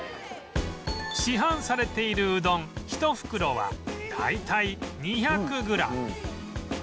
市販されているうどん１袋は大体２００グラム